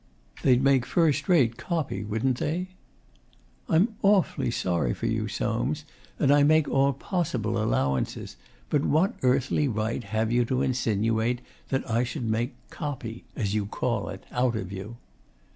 'They'd make first rate "copy," wouldn't they?' 'I'm awfully sorry for you, Soames, and I make all possible allowances; but what earthly right have you to insinuate that I should make "copy," as you call it, out of you?